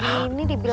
nggak ada yang ngumpul